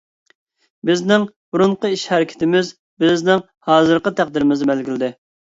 بىزنىڭ بۇرۇنقى ئىش-ھەرىكىتىمىز بىزنىڭ ھازىرقى تەقدىرىمىزنى بەلگىلىدى.